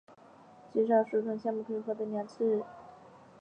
为极少数同一个项目可以获两次香港建筑师学会年奖的建筑设计项目。